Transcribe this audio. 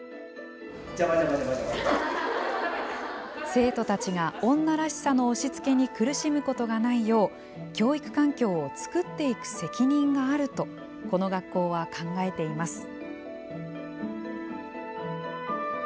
生徒たちが女らしさの押しつけに苦しむことがないよう教育環境を作っていく責任があるとこの学校は考えています。